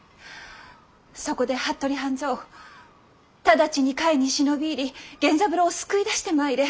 そこで服部半蔵直ちに甲斐に忍び入り源三郎を救い出してまいれ。